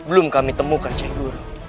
belum kami temukan syekh guru